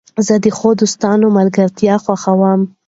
زه د ښو دوستانو ملګرتیا خوښوم.